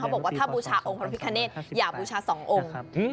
บอกว่าถ้าบูชาองค์พระพิคเนตอย่าบูชาสององค์